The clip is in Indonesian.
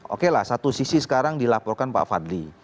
oke lah satu sisi sekarang dilaporkan pak fadli